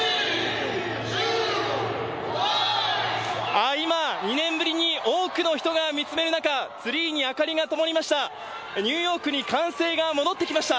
ああ、今、２年ぶりに多くの人が見つめる中、ツリーに明かりがともりました。